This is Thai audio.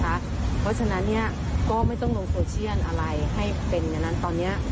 เพราะฉะนั้นก็ไม่ต้องลงโซเชียลอะไรให้เป็นอย่างนั้นตอนนี้